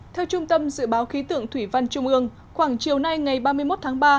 theo trung tâm dự báo khí tượng thủy văn trung ương khoảng chiều nay ngày ba mươi một tháng ba